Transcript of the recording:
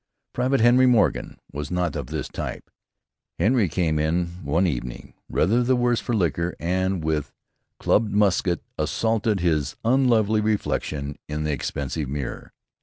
Private Henry Morgan was not of this type. Henry came in one evening rather the worse for liquor and with clubbed musket assaulted his unlovely reflection in an expensive mirror.